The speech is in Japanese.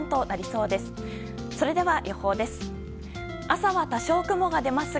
それでは、予報です。